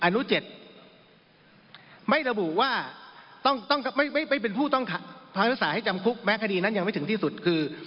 อนุ๗ไม่เป็นผู้ต้องทำพักษาให้จำคุกแม้คดีนั้นยังไม่ถึงที่สุดคือ